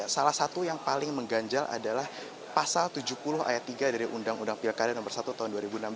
salah satu yang paling mengganjal adalah pasal tujuh puluh ayat tiga dari undang undang pilkada nomor satu tahun dua ribu enam belas